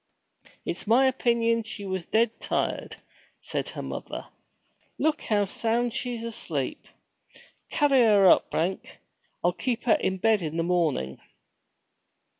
'It's my opinion she was dead tired,' said her mother. 'Look how sound she's asleep! Carry her up, Frank. I'll keep her in bed in the morning.'